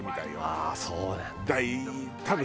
ああそうなんだ。